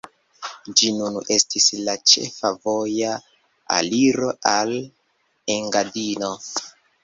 Ĝi nun estis la ĉefa voja aliro al Engadino.